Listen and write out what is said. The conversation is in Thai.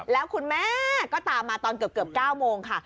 แล้วคุณแม่ก็ตามมาตอนเกือบ๙โมงค่ะ